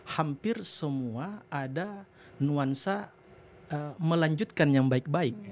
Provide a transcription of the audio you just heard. hampir semua ada nuansa melanjutkan yang baik baik